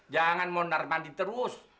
jangan mondar mandi terus